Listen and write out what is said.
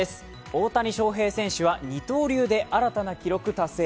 大谷翔平選手は二刀流で新たな記録達成。